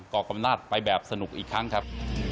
อกอำนาจไปแบบสนุกอีกครั้งครับ